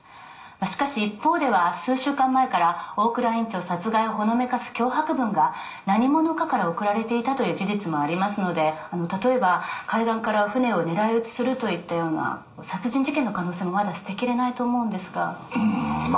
しかし一方では数週間前から大倉院長殺害をほのめかす脅迫文が何者かから送られていたという事実もありますのであの例えば海岸から船を狙い撃ちするといったような殺人事件の可能性もまだ捨てきれないと思うんですがんーま